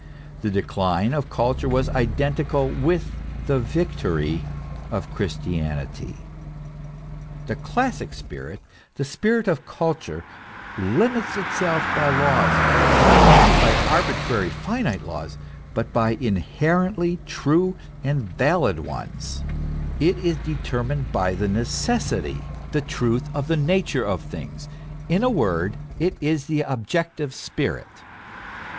The decline of culture was identical with the victory of Christianity. The classic spirit, the spirit of culture, limits itself by laws, not indeed by arbitrary, finite laws, but by inherently true and valid ones ; it is determined by the necessity, the truth of the nature of things ; in a word, it is the objective spirit.